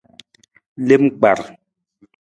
Lem kpar.